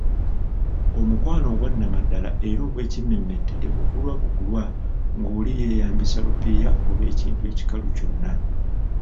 Omukwano ogwannamaddala era ogw’ekimmemmette tegugulwa bugulwa ng’oli yeeyambisa lupiiya oba ekintu ekikalu kyonna.